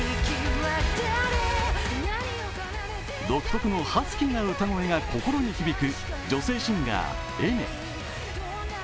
独特のハスキーな歌声が心に響く女性シンガー・Ａｉｍｅｒ。